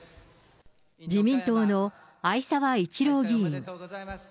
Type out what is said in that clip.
自民党の逢沢一郎議員。